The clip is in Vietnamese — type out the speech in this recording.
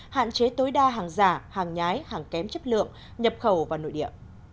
hạn chế tối đa hàng giả hàng nhái hàng kém chất lượng nhập khẩu vào nội địa